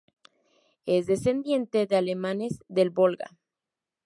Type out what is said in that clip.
Es descendiente de alemanes del Volga.